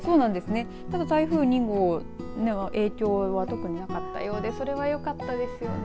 台風２号の影響は特になかったようでそれはよかったですよね。